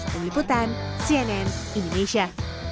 pengiputan cnn indonesia